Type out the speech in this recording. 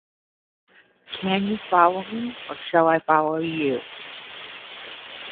Can you follow me or shall I follow you?